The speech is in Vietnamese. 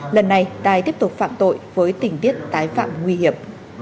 lần này tài tiếp tục phạm tội với tình tiết tái phạm nguy hiểm